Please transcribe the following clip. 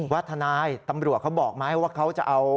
ทนายตำรวจเขาบอกไหมว่าเขาจะเอา